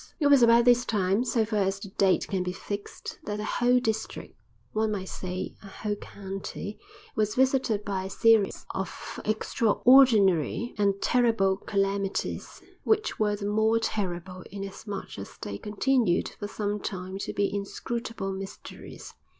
It was about this time, so far as the date can be fixed, that a whole district, one might say a whole county, was visited by a series of extraordinary and terrible calamities, which were the more terrible inasmuch as they continued for some time to be inscrutable mysteries.